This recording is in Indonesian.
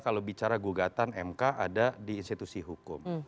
kalau bicara gugatan mk ada di institusi hukum